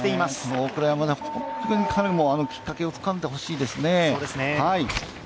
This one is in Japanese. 大倉山で本当に彼もきっかけをつかんでほしいですね。